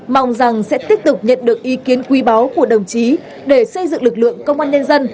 mong rằng sẽ tiếp tục nhận được ý kiến quý báu của đồng chí để xây dựng lực lượng công an nhân dân